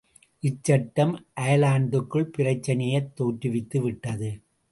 இச்சட்டம் அயர்லாந்துக்குள் பிரச்சினையைத் தோற்றுவித்து விட்டது.